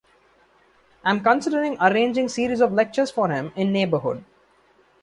Am considering arranging series of lectures for him in neighbourhood.